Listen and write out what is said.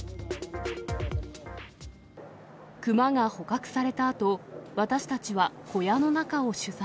クマが捕獲されたあと、私たちは小屋の中を取材。